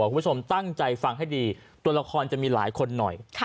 คุณผู้ชมตั้งใจฟังให้ดีตัวละครจะมีหลายคนหน่อย